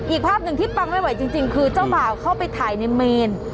อีกภาพหนึ่งที่ปังไม่ไหวจริงคือเจ้าบ่าวเข้าไปถ่ายในเมน